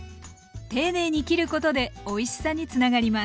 丁寧に切ることでおいしさにつながります。